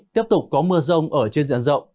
tiếp tục có mưa rông ở trên diện rộng